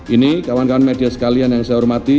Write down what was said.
ini kawan kawan media sekalian yang saya hormati